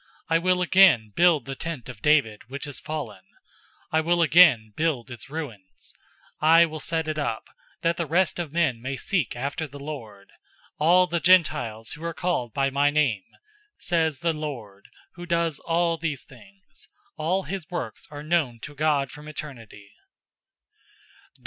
I will again build the tent of David, which has fallen. I will again build its ruins. I will set it up, 015:017 That the rest of men may seek after the Lord; All the Gentiles who are called by my name, Says the Lord, who does all these things.{Amos 9:11 12} 015:018 All his works are known to God from eternity.'